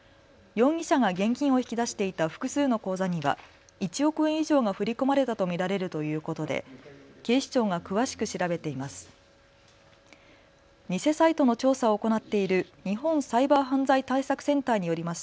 容疑者が現金を引き出していた複数の口座には１億円以上が振り込まれたと見られるということで警視庁が詳しく調べています。